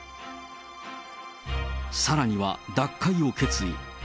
さらには脱会を決意。